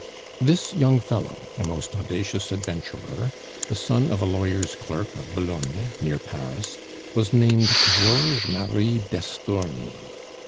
This young fellow, a most audacious adventurer, the son of a lawyer's clerk of Boulogne, near Paris, was named Georges Marie Destourny.